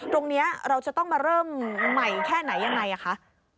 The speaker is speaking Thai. ตรงนี้เราจะต้องมาเริ่มใหม่แค่ไหนยังไงคะ